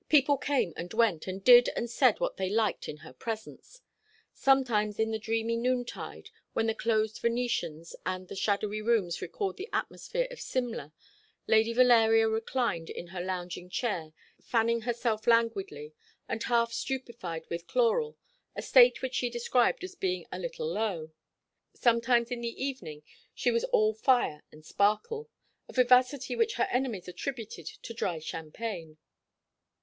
People came and went, and did and said what they liked in her presence. Sometimes in the dreamy noontide, when the closed Venetians and the shadowy rooms recalled the atmosphere of Simla, Lady Valeria reclined in her lounging chair, fanning herself languidly, and half stupefied with chloral, a state which she described as being "a little low." Sometimes in the evening she was all fire and sparkle, a vivacity which her enemies attributed to dry champagne.